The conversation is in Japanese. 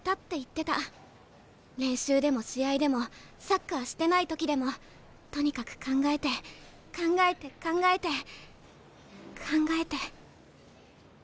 練習でも試合でもサッカーしてない時でもとにかく考えて考えて考えて考えて。